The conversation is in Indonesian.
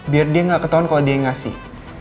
biar dia nggak ketahuan kalau dia yang ngasih